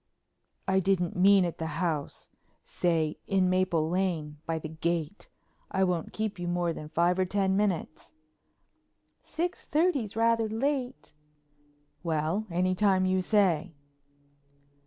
"I didn't mean at the house. Say in Maple Lane, by the gate. I won't keep you more than five or ten minutes." "Six thirty's rather late." "Well, any time you say."